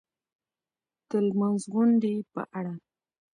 د لمانځغونډې په اړه